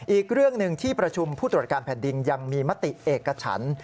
อีกเรื่องหนึ่งที่ประชุมผู้ตรวจการแผ่นดินยังมีมติเอกฉัน